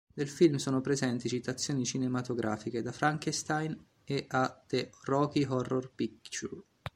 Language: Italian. Nel film sono presenti citazioni cinematografiche da Frankenstein e a The Rocky Horror Picture